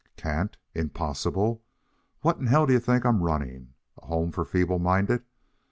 "Can't! Impossible! What in hell do you think I'm running? A home for feeble minded?